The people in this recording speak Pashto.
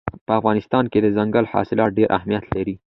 په افغانستان کې دځنګل حاصلات ډېر اهمیت لري.